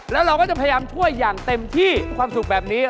แล้วเราก็จะพยายามช่วยอย่างเต็มที่ความสุขแบบนี้